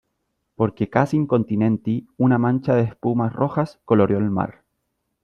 porque casi incontinenti una mancha de espumas rojas coloreó el mar ,